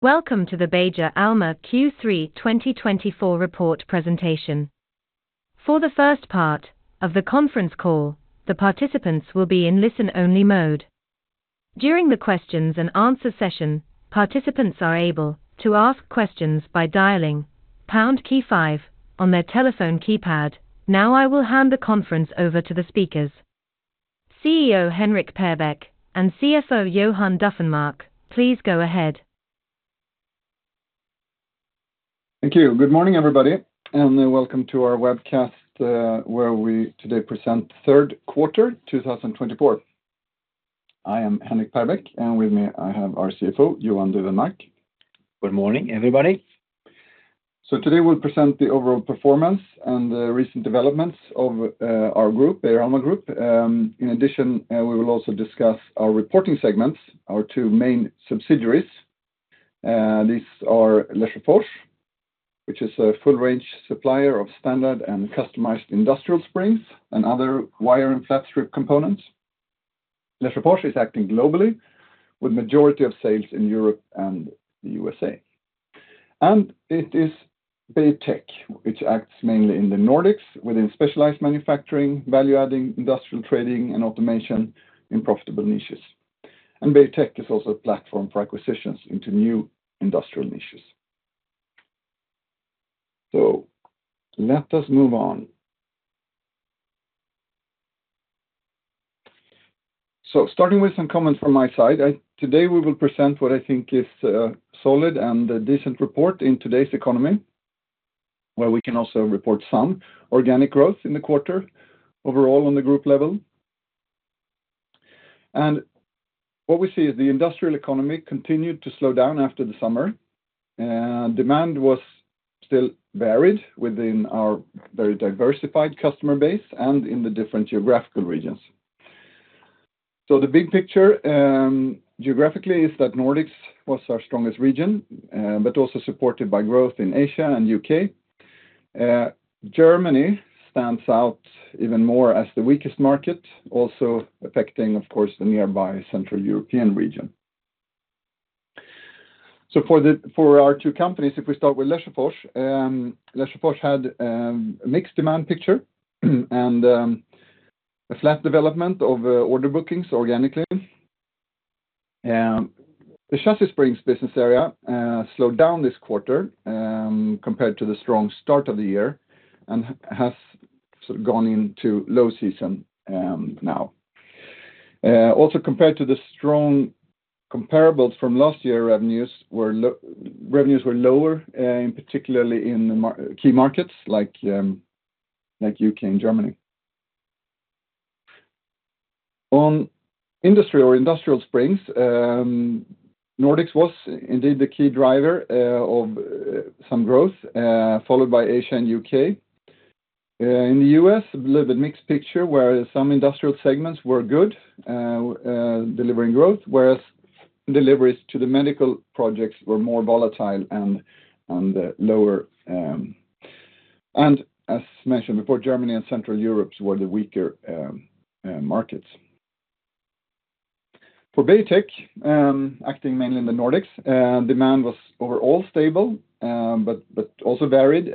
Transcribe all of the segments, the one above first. Welcome to the Beijer Alma Q3 2024 report presentation. For the first part of the conference call, the participants will be in listen-only mode. During the questions and answer session, participants are able to ask questions by dialing pound key five on their telephone keypad. Now, I will hand the conference over to the speakers. CEO, Henrik Perbeck, and CFO, Johan Dufvenmark, please go ahead. Thank you. Good morning, everybody, and welcome to our webcast, where we today present third quarter 2024. I am Henrik Perbeck, and with me, I have our CFO, Johan Dufvenmark. Good morning, everybody. So today we'll present the overall performance and the recent developments of our group, Beijer Alma Group. In addition, we will also discuss our reporting segments, our two main subsidiaries. These are Lesjöfors, which is a full range supplier of standard and customized industrial springs and other wire and flat strip components. Lesjöfors is acting globally, with majority of sales in Europe and the U.S.A. And it is Beijer Tech, which acts mainly in the Nordics within specialized manufacturing, value-adding, industrial trading, and automation in profitable niches. And Beijer Tech is also a platform for acquisitions into new industrial niches. So let us move on. Starting with some comments from my side, today, we will present what I think is a solid and a decent report in today's economy, where we can also report some organic growth in the quarter overall on the group level. What we see is the industrial economy continued to slow down after the summer. Demand was still varied within our very diversified customer base and in the different geographical regions. The big picture, geographically, is that Nordics was our strongest region, but also supported by growth in Asia and U.K. Germany stands out even more as the weakest market, also affecting, of course, the nearby Central Europe region. For our two companies, if we start with Lesjöfors, Lesjöfors had a mixed demand picture, and a flat development of order bookings organically. The Chassis Springs business area slowed down this quarter, compared to the strong start of the year, and has sort of gone into low season now. Also compared to the strong comparables from last year, revenues were lower, particularly in the key markets like U.K. and Germany. On industry or industrial springs, Nordics was indeed the key driver of some growth, followed by Asia and U.K. In the U.S., a little bit mixed picture where some industrial segments were good, delivering growth, whereas deliveries to the medical projects were more volatile and lower. And as mentioned before, Germany and Central Europe were the weaker markets. For Beijer Tech, acting mainly in the Nordics, demand was overall stable, but also varied.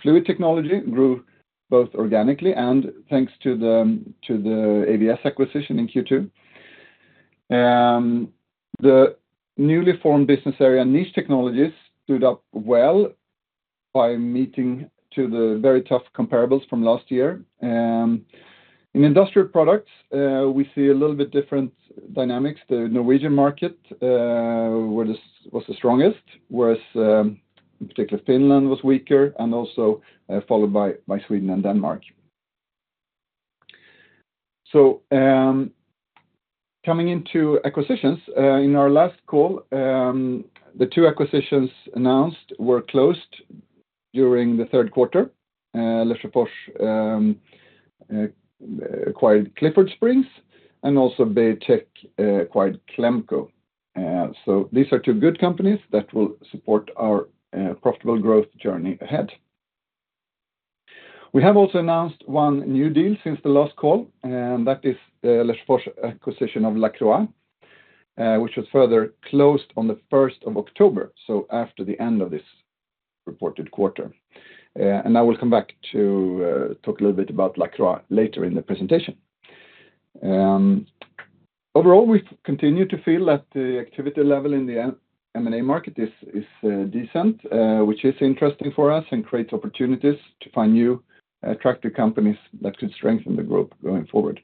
Fluid technology grew both organically and thanks to the ABS acquisition in Q2. The newly formed business area, Niche Technologies, stood up well by meeting to the very tough comparables from last year. In industrial products, we see a little bit different dynamics. The Norwegian market was the strongest, whereas in particular, Finland was weaker and also followed by Sweden and Denmark. Coming into acquisitions, in our last call, the two acquisitions announced were closed during the third quarter. Lesjöfors acquired Clifford Springs, and also Beijer Tech acquired Klemko, so these are two good companies that will support our profitable growth journey ahead. We have also announced one new deal since the last call, and that is the Lesjöfors acquisition of Lacroix, which was further closed on the 1st of October, so after the end of this reported quarter. And I will come back to talk a little bit about Lacroix later in the presentation. Overall, we continue to feel that the activity level in the M&A market is decent, which is interesting for us and creates opportunities to find new attractive companies that could strengthen the group going forward.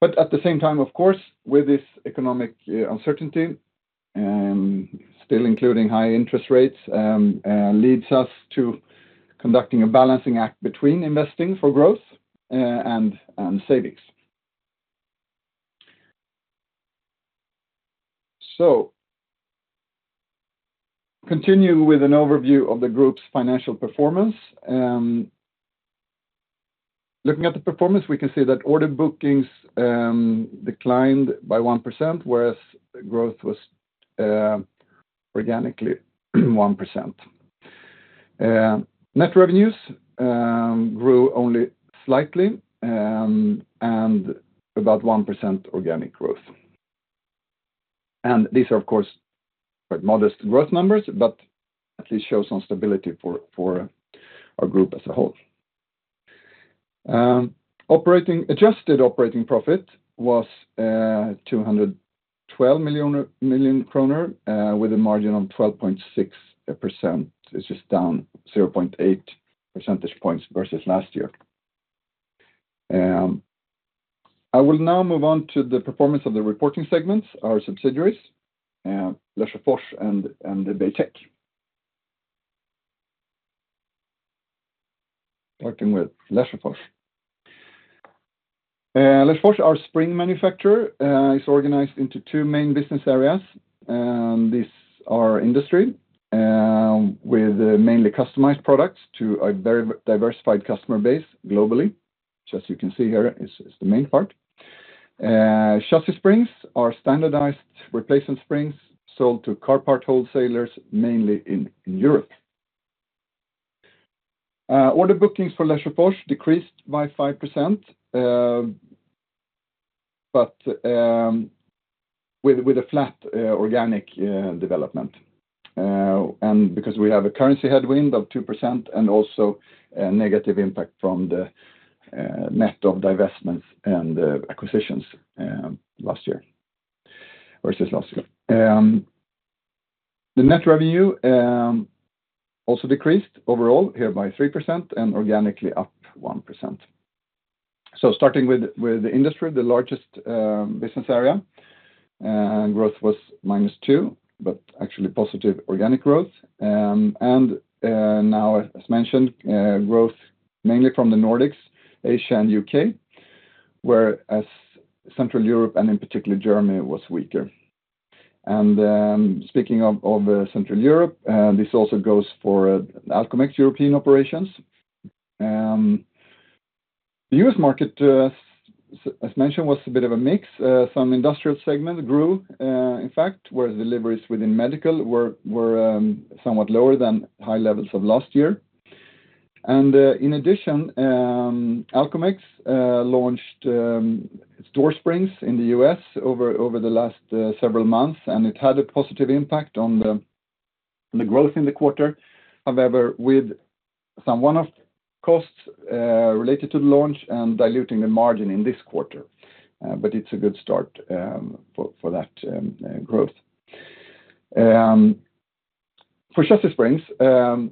But at the same time, of course, with this economic uncertainty still including high interest rates leads us to conducting a balancing act between investing for growth and savings. Continue with an overview of the group's financial performance. Looking at the performance, we can see that order bookings declined by 1%, whereas growth was organically 1%. Net revenues grew only slightly and about 1% organic growth. These are, of course, quite modest growth numbers, but at least shows some stability for our group as a whole. Adjusted operating profit was 212 million SEK with a margin of 12.6%, which is down 0.8 percentage points versus last year. I will now move on to the performance of the reporting segments, our subsidiaries, Lesjöfors and Beijer Tech. Starting with Lesjöfors. Lesjöfors, our spring manufacturer, is organized into two main business areas, these are industry with mainly customized products to a very diversified customer base globally. As you can see here is the main part. Chassis Springs are standardized replacement springs sold to car part wholesalers, mainly in Europe. Order bookings for Lesjöfors decreased by 5%, but with a flat organic development. And because we have a currency headwind of 2% and also a negative impact from the net of divestments and acquisitions last year versus last year. The net revenue also decreased overall here by 3%, and organically up 1%. Starting with the industry, the largest business area, growth was minus 2%, but actually positive organic growth. And now, as mentioned, growth mainly from the Nordics, Asia, and UK, whereas Central Europe, and in particular Germany, was weaker. Speaking of Central Europe, this also goes for Alcomex European operations. The US market, as mentioned, was a bit of a mix. Some industrial segments grew, in fact, where deliveries within medical were somewhat lower than high levels of last year. And, in addition, Alcomex launched door springs in the US over the last several months, and it had a positive impact on the growth in the quarter. However, with some one-off costs related to the launch and diluting the margin in this quarter, but it's a good start for that growth. For Chassis Springs, the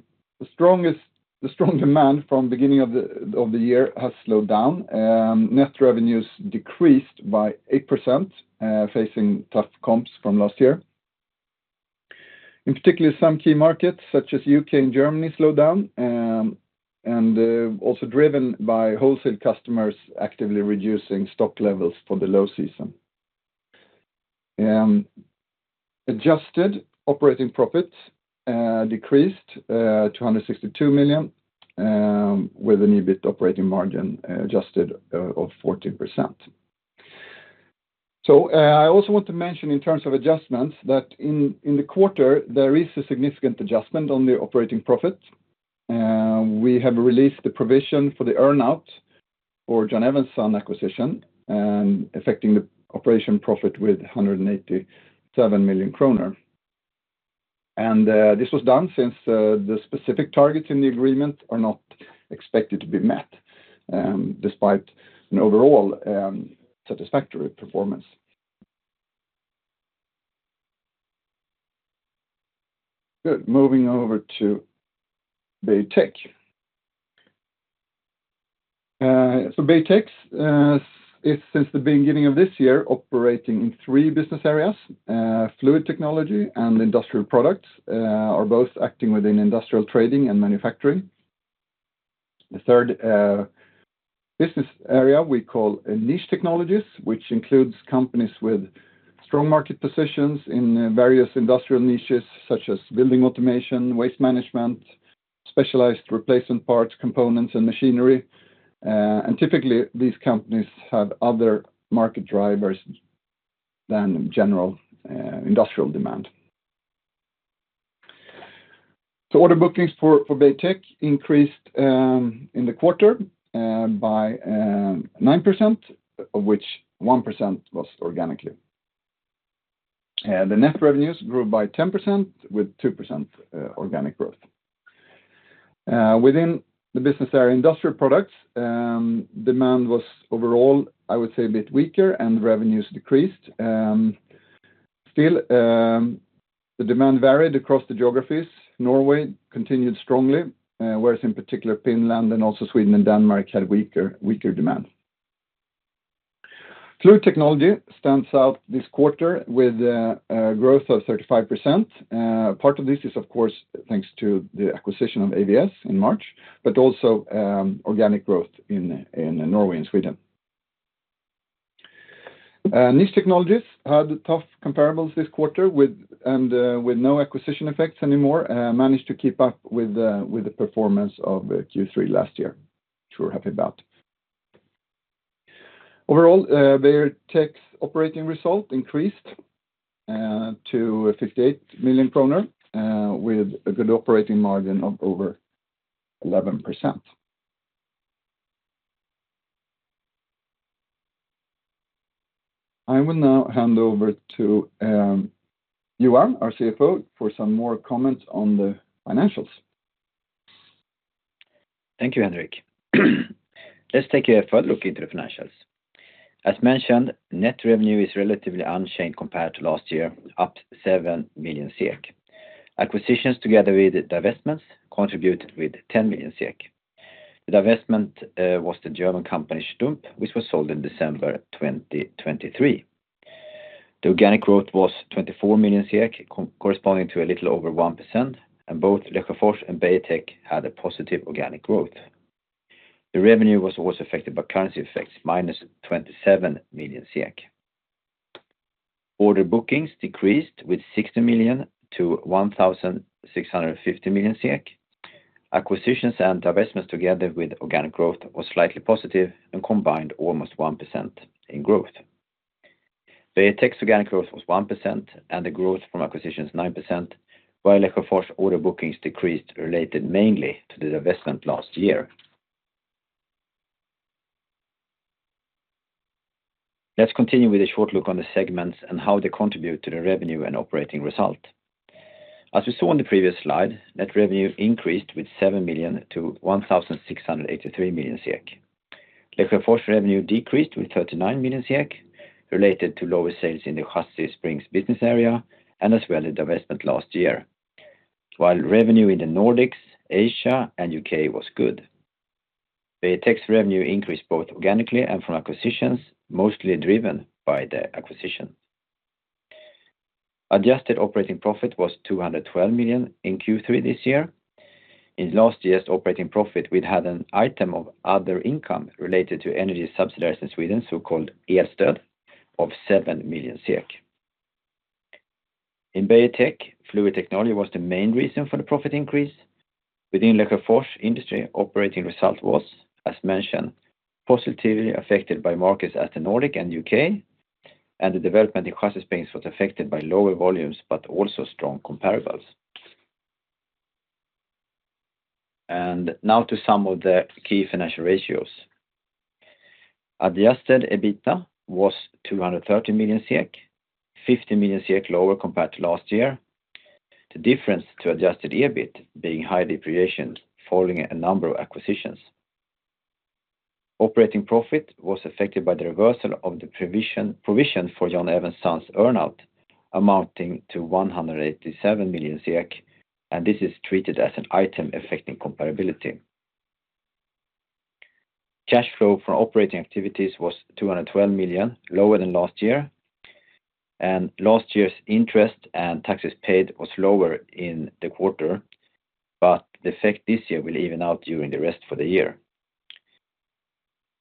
strong demand from beginning of the year has slowed down, net revenues decreased by 8%, facing tough comps from last year. In particular, some key markets, such as U.K. and Germany, slowed down and also driven by wholesale customers actively reducing stock levels for the low season. Adjusted operating profits decreased 262 million with an EBIT operating margin, adjusted, of 14%. I also want to mention in terms of adjustments that in the quarter there is a significant adjustment on the operating profit. We have released the provision for the earn-out for John Evanson acquisition affecting the operating profit with 187 million kronor. This was done since the specific targets in the agreement are not expected to be met despite an overall satisfactory performance. Good. Moving over to Beijer Tech. So Beijer Tech is, since the beginning of this year, operating in three business areas. Fluid Technology and Industrial Products are both acting within industrial trading and manufacturing. The third business area we call Niche Technologies, which includes companies with strong market positions in various industrial niches, such as building automation, waste management, specialized replacement parts, components, and machinery. And typically, these companies have other market drivers than general industrial demand. So order bookings for Beijer Tech increased in the quarter by 9%, of which 1% was organic. The net revenues grew by 10%, with 2% organic growth. Within the business area Industrial Products, demand was overall, I would say, a bit weaker, and revenues decreased. Still, the demand varied across the geographies. Norway continued strongly, whereas in particular, Finland and also Sweden and Denmark had weaker demand. Fluid Technology stands out this quarter with a growth of 35%. Part of this is, of course, thanks to the acquisition of AVS in March, but also organic growth in Norway and Sweden. Niche Technologies had tough comparables this quarter with no acquisition effects anymore and managed to keep up with the performance of Q3 last year, which we're happy about. Overall, Beijer Tech's operating result increased to 58 million kronor with a good operating margin of over 11%. I will now hand over to Johan, our CFO, for some more comments on the financials. Thank you, Henrik. Let's take a further look into the financials. As mentioned, net revenue is relatively unchanged compared to last year, up 7 million SEK. Acquisitions, together with the divestments, contributed with 10 million SEK. The divestment was the German company Stump, which was sold in December twenty twenty-three. The organic growth was 24 million, corresponding to a little over 1%, and both Lesjöfors and Beijer Tech had a positive organic growth. The revenue was also affected by currency effects, minus 27 million. Order bookings decreased with 60 million-1,650 million SEK. Acquisitions and divestments, together with organic growth, was slightly positive and combined almost 1% in growth. Beijer Tech's organic growth was 1%, and the growth from acquisitions, 9%, while Lesjöfors order bookings decreased, related mainly to the divestment last year. Let's continue with a short look on the segments and how they contribute to the revenue and operating result. As we saw on the previous slide, net revenue increased with 7 million-1,683 million. Lesjöfors revenue decreased with 39 million, related to lower sales in the Industry business area, and as well, the divestment last year. While revenue in the Nordics, Asia, and U.K. was good, Beijer Tech's revenue increased both organically and from acquisitions, mostly driven by the acquisition. Adjusted operating profit was 212 million in Q3 this year. In last year's operating profit, we'd had an item of other income related to energy subsidiaries in Sweden, so-called... of SEK 7 million. In Beijer Tech, fluid technology was the main reason for the profit increase. Within Lesjöfors Industry, operating result was, as mentioned, positively affected by markets in the Nordics and U.K., and the development in Hot Springs was affected by lower volumes, but also strong comparables. Now to some of the key financial ratios. Adjusted EBITDA was 230 million, 50 million lower compared to last year. The difference to adjusted EBIT being high depreciation, following a number of acquisitions. Operating profit was affected by the reversal of the provision for John Evans' Sons earn-out, amounting to 187 million, and this is treated as an item affecting comparability. Cash flow from operating activities was 212 million, lower than last year, and last year's interest and taxes paid was lower in the quarter, but the effect this year will even out during the rest of the year.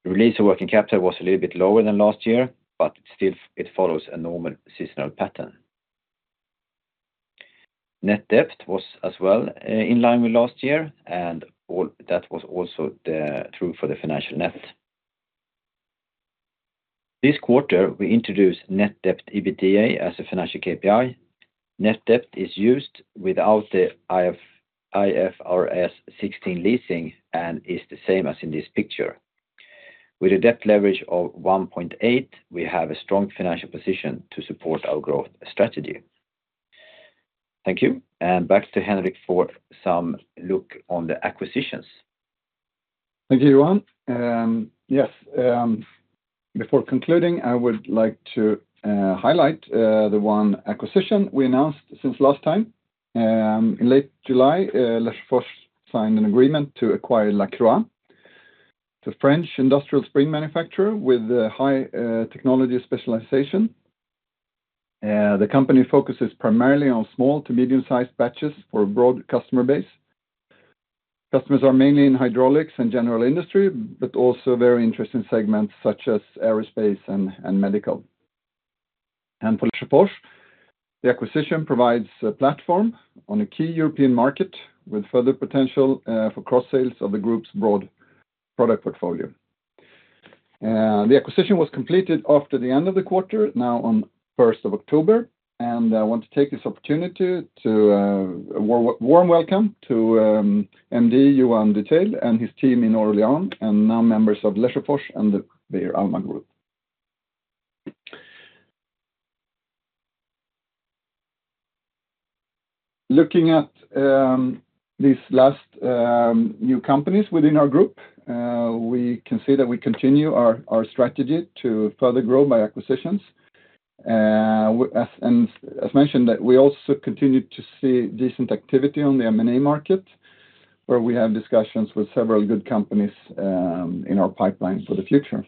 Release of working capital was a little bit lower than last year, but still, it follows a normal seasonal pattern. Net debt was as well in line with last year, and all that was also true for the financial net. This quarter, we introduced net debt/EBITDA as a financial KPI. Net debt is used without the IFRS 16 leasing, and is the same as in this picture. With a debt leverage of 1.8, we have a strong financial position to support our growth strategy. Thank you, and back to Henrik for some look on the acquisitions. Thank you, Johan. Yes, before concluding, I would like to highlight the one acquisition we announced since last time. In late July, Lesjöfors signed an agreement to acquire Lacroix. The French industrial spring manufacturer with a high technology specialization. The company focuses primarily on small to medium-sized batches for a broad customer base. Customers are mainly in hydraulics and general industry, but also very interesting segments such as aerospace and medical. And for Lesjöfors, the acquisition provides a platform on a key European market, with further potential for cross-sales of the group's broad product portfolio. The acquisition was completed after the end of the quarter, now on first of October, and I want to take this opportunity to a warm welcome to MD, Johan Detaille, and his team in Orléans, and now members of Lesjöfors and the Beijer Alma Group. Looking at these last new companies within our group, we can see that we continue our, our strategy to further grow by acquisitions. As, and as mentioned, that we also continue to see decent activity on the M&A market, where we have discussions with several good companies in our pipeline for the future.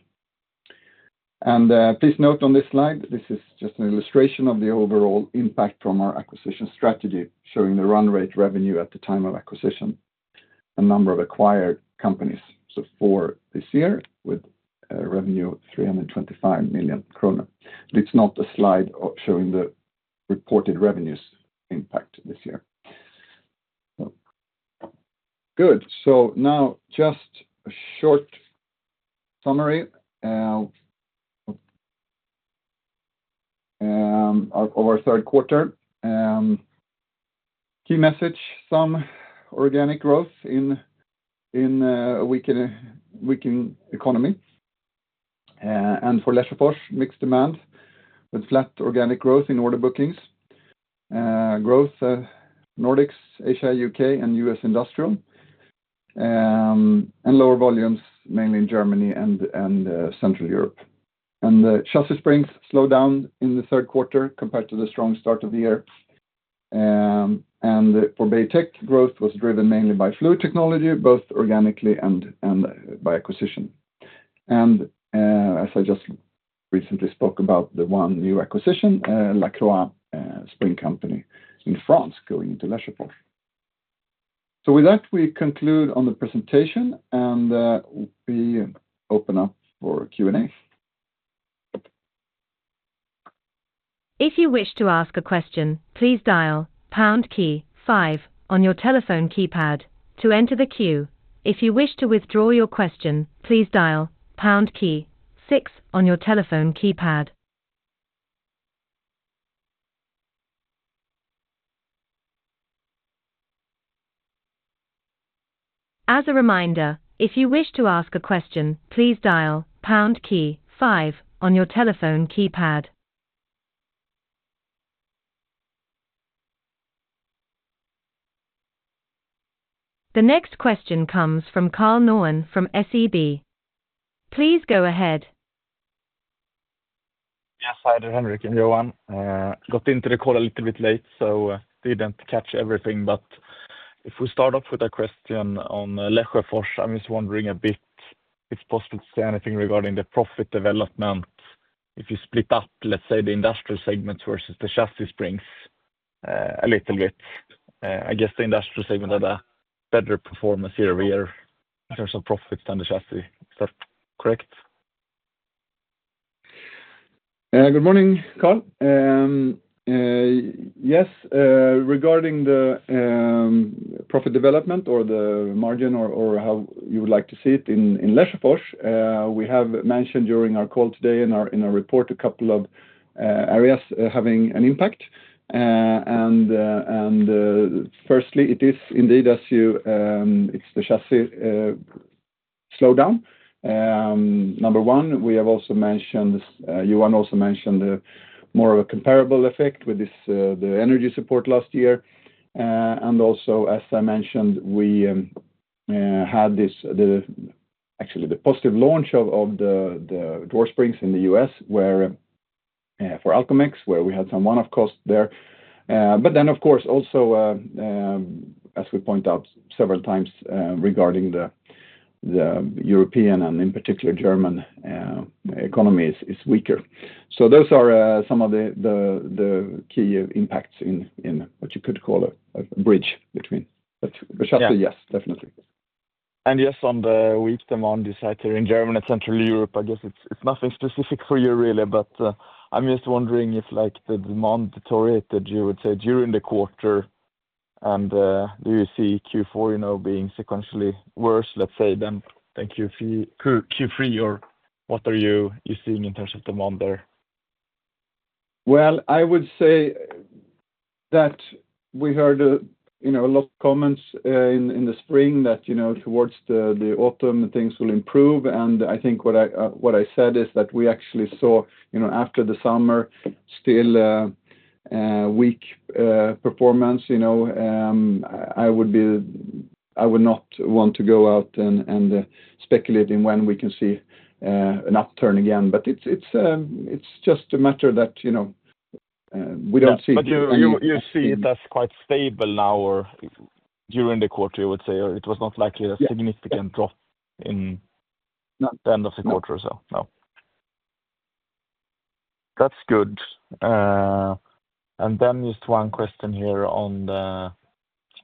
And please note on this slide, this is just an illustration of the overall impact from our acquisition strategy, showing the run rate revenue at the time of acquisition, a number of acquired companies. Q4 this year, with a revenue of 325 million kronor. It's not a slide showing the reported revenues impact this year. Now just a short summary of our third quarter. Key message: some organic growth in a weakening economy, and for Lesjöfors, mixed demand with flat organic growth in order bookings. Growth in Nordics, Asia, U.K., and U.S. Industrial, and lower volumes, mainly in Germany and Central Europe. The Chassis Springs slowed down in the third quarter compared to the strong start of the year. And for Beijer Tech, growth was driven mainly by fluid technology, both organically and by acquisition. As I just recently spoke about, the one new acquisition, Lacroix spring company in France, going into Lesjöfors. So with that, we conclude on the presentation, and we open up for Q&A. If you wish to ask a question, please dial pound key five on your telephone keypad to enter the queue. If you wish to withdraw your question, please dial pound key six on your telephone keypad. As a reminder, if you wish to ask a question, please dial pound key five on your telephone keypad. The next question comes from Karol Noreus from SEB. Please go ahead. Yes, hi there, Henrik and Johan. Got into the call a little bit late, so didn't catch everything. But if we start off with a question on Lesjöfors, I'm just wondering a bit, if it's possible to say anything regarding the profit development. If you split up, let's say, the industrial segment versus the Chassis Springs, a little bit. I guess, the industrial segment had a better performance year over year in terms of profits than the Chassis. Is that correct? Good morning, Karol. Yes, regarding the profit development or the margin or how you would like to see it in Lesjöfors, we have mentioned during our call today in our report, a couple of areas having an impact. And firstly, it is indeed, as you... It's the Chassis slowdown. Number one, we have also mentioned, Johan also mentioned, the more of a comparable effect with this the energy support last year. And also, as I mentioned, we had this, the actually, the positive launch of the door springs in the US, where for Alcomex, where we had some one-off costs there. But then, of course, also, as we point out several times, regarding the European and, in particular, German economy is weaker. So those are some of the key impacts in what you could call a bridge between- Yeah. But Chassis, yes, definitely. Yes, on the weak demand side here in Germany, Central Europe, I guess it's nothing specific for you really, but I'm just wondering if, like, the demand deteriorated, you would say, during the quarter, and do you see Q4, you know, being sequentially worse, let's say, than Q3? Or what are you seeing in terms of demand there? I would say that we heard you know a lot of comments in the spring that you know towards the autumn things will improve. I think what I said is that we actually saw you know after the summer still a weak performance you know. I would not want to go out and speculate in when we can see an upturn again. But it's just a matter that you know we don't see any- But you see it as quite stable now or during the quarter, I would say, or it was not like a- Yeah... significant drop in- No... the end of the quarter, so? No. That's good. And then just one question here on the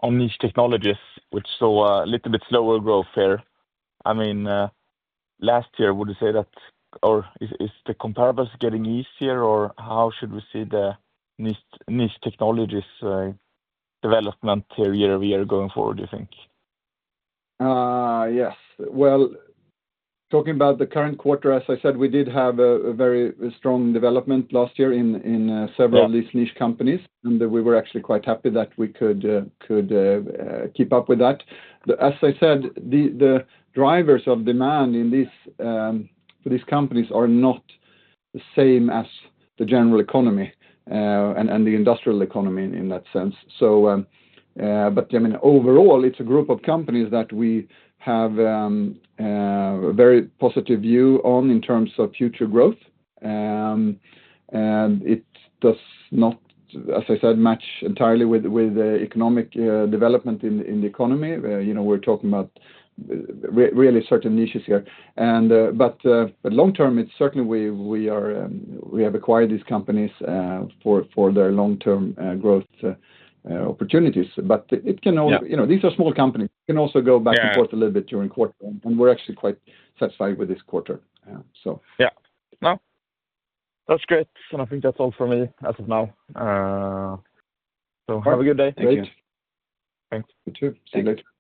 Niche Technologies, which saw a little bit slower growth here. I mean, last year, would you say that... Or is the comparables getting easier, or how should we see the Niche Technologies development here year over year going forward, do you think? Yes. Well, talking about the current quarter, as I said, we did have a very strong development last year in... several of these niche companies, and we were actually quite happy that we could keep up with that. As I said, the drivers of demand in these companies are not the same as the general economy and the industrial economy in that sense. So, but I mean, overall, it's a group of companies that we have a very positive view on in terms of future growth. And it does not, as I said, match entirely with the economic development in the economy. You know, we're talking about really certain niches here. But long term, it's certainly we have acquired these companies for their long-term growth opportunities. But it can only- Yeah. You know, these are small companies. It can also go back- Yeah... back and forth a little bit during the quarter, and we're actually quite satisfied with this quarter, so. Yeah, well, that's great, and I think that's all from me as of now. So have a good day. Great. Thanks. You too. Thank you. See you later.